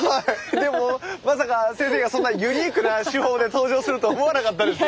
でもまさか先生がそんなユニークな手法で登場するとは思わなかったですよ。